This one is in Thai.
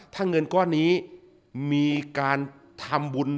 ถ้าเงินก้อนนี้มีการทำบุญ